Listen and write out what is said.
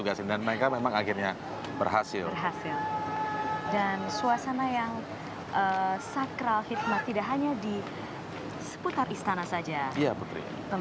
undangan dimohon berdiri